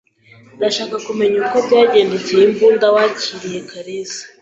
Ndashaka kumenya uko byagendekeye imbunda wakiriye kalisa.